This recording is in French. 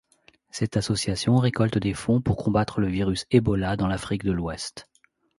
Cette association récolte des fonds pour combattre le virus Ebola dans l'Afrique de l'Ouest.